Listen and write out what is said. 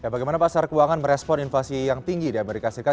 bagaimana pasar keuangan merespon inflasi yang tinggi di amerika serikat